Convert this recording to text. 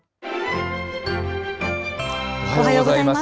おはようございます。